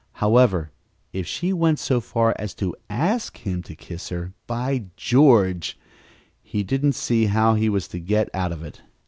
However, if she went so far as to ask him to kiss her, by George! he didn't see how he was to get out of it!